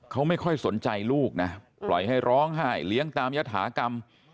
เขาไม่ค่อยสนใจลูกนะปล่อยให้ร้องไห้เลี้ยงตามยฐากรรม